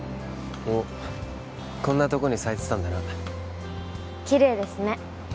おっこんなとこに咲いてたんだなキレイですね